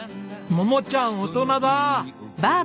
桃ちゃん大人だ。